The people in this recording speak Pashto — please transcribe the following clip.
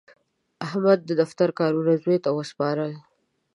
احمد د دفتر کارونه زوی ته وسپارل.